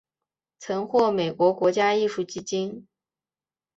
曾获美国国家艺术基金。